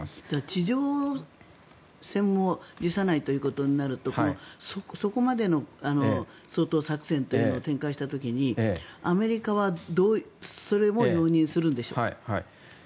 地上戦も辞さないということになるとそこまでの掃討作戦というのを展開した時にアメリカはどうそれも容認するんでしょうか。